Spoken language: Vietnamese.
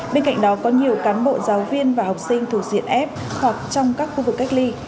bên cạnh đó có nhiều cán bộ giáo viên và học sinh thuộc diện f hoặc trong các khu vực cách ly